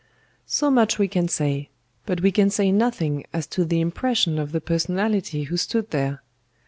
"So much we can say; but we can say nothing as to the impression of the personality who stood there.